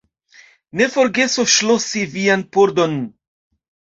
Ne forgesu ŝlosi vian pordon.